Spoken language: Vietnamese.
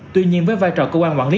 tuy nhiên với vai trò cơ quan quản lý